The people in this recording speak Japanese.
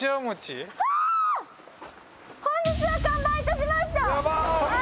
「本日は完売致しました」！